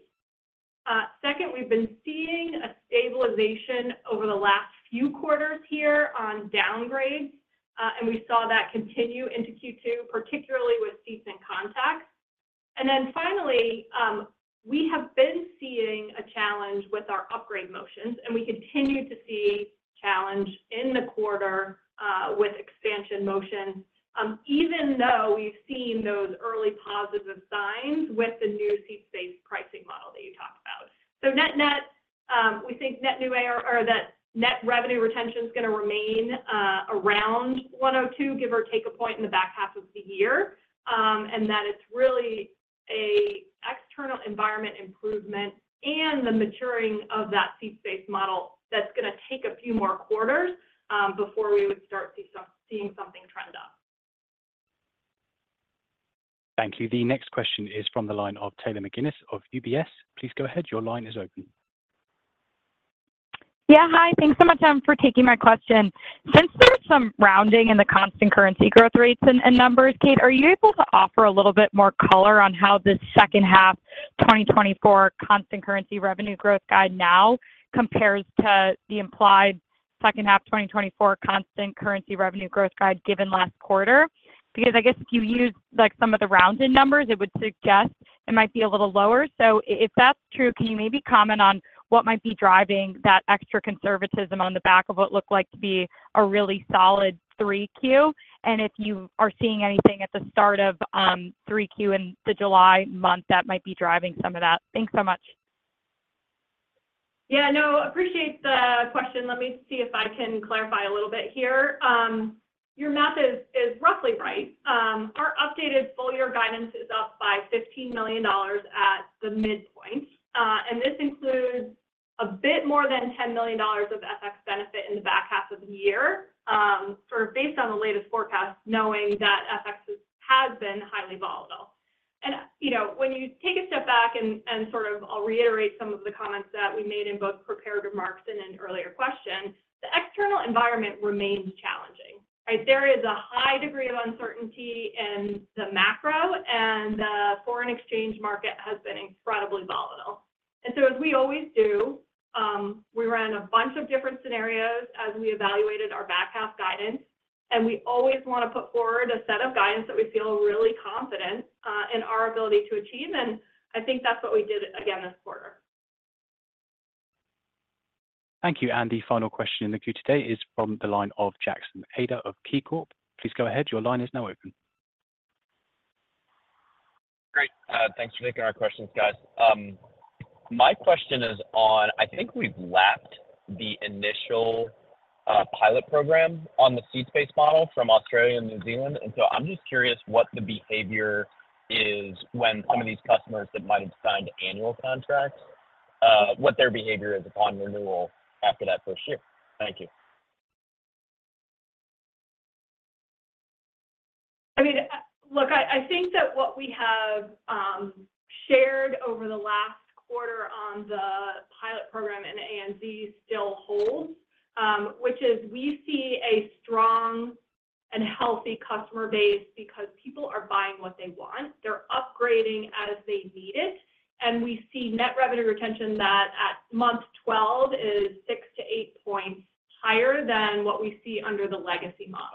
Second, we've been seeing a stabilization over the last few quarters here on downgrade, and we saw that continue into Q2, particularly with seats and contacts. And then finally, we have been seeing a challenge with our upgrade motions, and we continued to see challenge in the quarter with expansion motion, even though we've seen those early positive signs with the new seat-based pricing model that you talked about. So net-net, we think net new AR, or that net revenue retention is gonna remain around 102, give or take a point in the back half of the year. And that it's really an external environment improvement and the maturing of that seat-based model that's gonna take a few more quarters before we would start seeing something trend up. Thank you. The next question is from the line of Taylor McGinnis of UBS. Please go ahead. Your line is open. Yeah, hi. Thanks so much for taking my question. Since there's some rounding in the constant currency growth rates and numbers, Kate, are you able to offer a little bit more color on how this second half 2024 constant currency revenue growth guide now compares to the implied second half 2024 constant currency revenue growth guide given last quarter? Because I guess if you use, like, some of the rounded numbers, it would suggest it might be a little lower. So if that's true, can you maybe comment on what might be driving that extra conservatism on the back of what looked like to be a really solid 3Q? And if you are seeing anything at the start of 3Q in the July month that might be driving some of that. Thanks so much. Yeah, no, appreciate the question. Let me see if I can clarify a little bit here. Your math is roughly right. Our updated full year guidance is up by $15 million at the midpoint. And this includes a bit more than $10 million of FX benefit in the back half of the year, sort of based on the latest forecast, knowing that FX has been highly volatile. And, you know, when you take a step back and sort of, I'll reiterate some of the comments that we made in both prepared remarks and an earlier question, the external environment remains challenging, right? There is a high degree of uncertainty in the macro, and the foreign exchange market has been incredibly volatile. And so, as we always do, we ran a bunch of different scenarios as we evaluated our back half guidance, and we always wanna put forward a set of guidance that we feel really confident in our ability to achieve, and I think that's what we did again this quarter. Thank you. The final question in the queue today is from the line of Jackson Ader of KeyBanc Capital Markets. Please go ahead. Your line is now open. Great. Thanks for taking our questions, guys. My question is on... I think we've lapped the initial pilot program on the seats-based model from Australia and New Zealand, and so I'm just curious what the behavior is when some of these customers that might have signed annual contracts, what their behavior is upon renewal after that first year. Thank you. I mean, look, I think that what we have shared over the last quarter on the pilot program in ANZ still holds, which is we see a strong and healthy customer base because people are buying what they want. They're upgrading as they need it, and we see net revenue retention that at month 12 is 6-8 points higher than what we see under the legacy model.